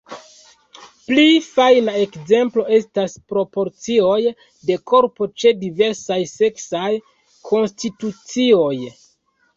Pli fajna ekzemplo estas proporcioj de korpo ĉe diversaj seksaj konstitucioj.